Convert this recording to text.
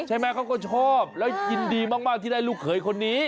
ใช่ไหมเขาก็ชอบแล้วยินดีมากที่ได้ลูกเขยคนนี้